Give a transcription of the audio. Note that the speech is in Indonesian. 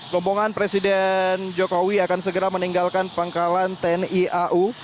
rombongan presiden jokowi akan segera meninggalkan pangkalan tni au